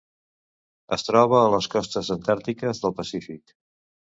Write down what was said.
Es troba a les costes antàrtiques del Pacífic.